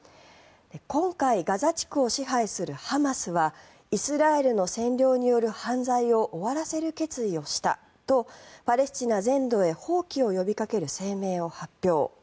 今回、ガザ地区を支配するハマスはイスラエルの占領による犯罪を終わらせる決意をしたとパレスチナ全土へ蜂起を呼びかける声明を発表。